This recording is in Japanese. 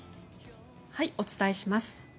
お伝えします。